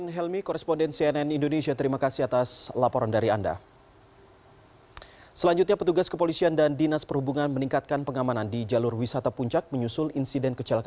selain memeriksa kelengkapan surat izin kendaraan dan sim pengemudi